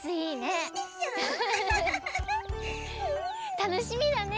たのしみだね！ね！